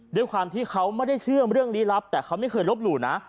ด้วยความที่เขาไม่ได้เชื่อเรื่องลี้ลับแต่เขาไม่เคยลบหลู่นะ